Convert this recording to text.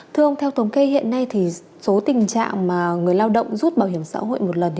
thưa ông theo tổng cây hiện nay số tình trạng người lao động rút bảo hiểm xã hội một lần